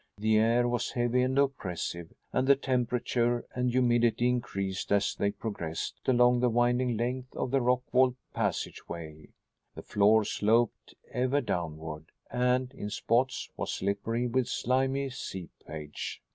The air was heavy and oppressive and the temperature and humidity increased as they progressed along the winding length of the rock walled passageway. The floor sloped, ever downward and, in spots, was slippery with slimy seepage.